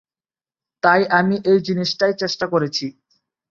তাই আমি এই জিনিসটাই চেষ্টা করেছি।